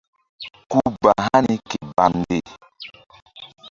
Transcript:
Ku ba hani ke bamnde.